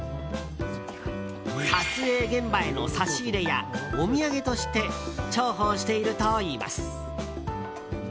撮影現場への差し入れやお土産として重宝しているといいます。